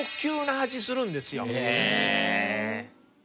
へえ！